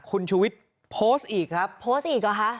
คุณชูวิทย์โพสต์อีกครับโพสต์อีกเหรอคะ